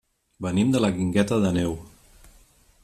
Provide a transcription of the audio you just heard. Venim de la Guingueta d'Àneu.